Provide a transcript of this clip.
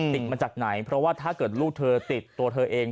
มาจากไหนเพราะว่าถ้าเกิดลูกเธอติดตัวเธอเอง